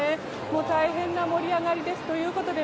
大変な盛り上がりです。